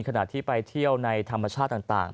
ขณะที่ไปเที่ยวในธรรมชาติต่าง